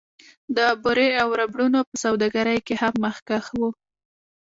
د بورې او ربړونو په سوداګرۍ کې هم مخکښ و